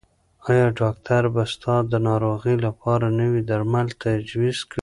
ایا ډاکټر به ستا د ناروغۍ لپاره نوي درمل تجویز کړي؟